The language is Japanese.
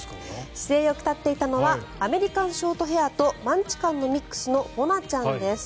姿勢よく立っていたのはアメリカンショートヘアとマンチカンのミックスのもなちゃんです。